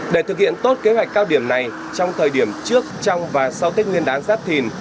để thực hiện tốt kế hoạch cao điểm này trong thời điểm trước trong và sau tết nguyên đán giáp thìn